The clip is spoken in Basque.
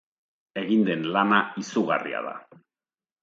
Egin den lana izugarria da.